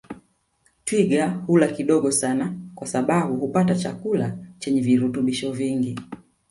Twiga hula kidogo sana kwa sababu hupata chakula chenye virutubisho vingi